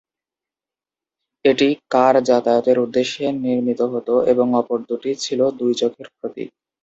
একটি কা-র যাতায়াতের উদ্দেশ্যে নির্মিত হত এবং অপর দু’টি ছিল দুই চোখের প্রতীক।